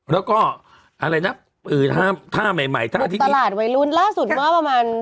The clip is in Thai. แล้วก็อะไรนะถ้าใหม่ถ้าอาทิตย์นี้บุตรตลาดไวรุ้นล่าสุดเมื่อประมาณ